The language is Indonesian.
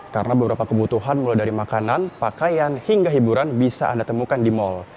karena beberapa kebutuhan mulai dari makanan pakaian hingga hiburan bisa anda temukan di mal